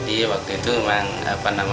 jadi waktu itu memang apa namanya